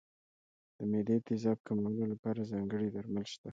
د معدې تېزاب کمولو لپاره ځانګړي درمل شته.